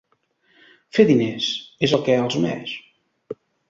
"Fer diners" és el que els uneix.